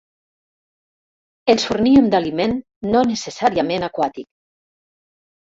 Els forníem d'aliment, no necessàriament aquàtic.